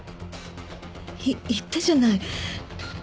い言ったじゃない。